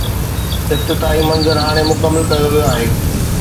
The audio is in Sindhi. افتتاحي منظر هاڻي مڪمل ڪيو ويو آهي.